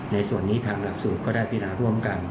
ในส่วนนี้ทางหลักสูตรก็ได้พินาร่วมกัน